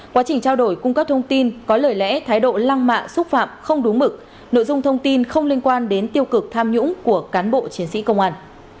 quá trình trao đổi cung cấp thông tin có lời lẽ thái độ lăng mạ xúc phạm không đúng mực nội dung thông tin không liên quan đến tiêu cực tham nhũng của cán bộ chiến sĩ công an